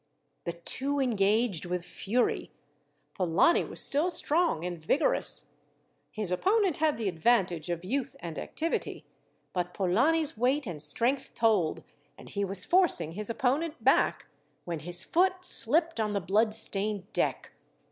The two engaged with fury. Polani was still strong and vigorous. His opponent had the advantage of youth and activity. But Polani's weight and strength told, and he was forcing his opponent back, when his foot slipped on the bloodstained deck.